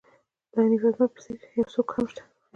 د حنیف اتمر په څېر یو څوک هم شته.